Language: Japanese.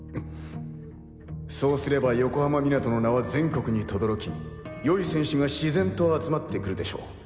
そうすれば横浜湊の名は全国に轟き良い選手が自然と集まってくるでしょう。